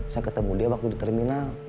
saya ketemu dia waktu di terminal